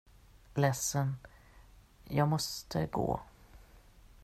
Ledsen, jag måste gå.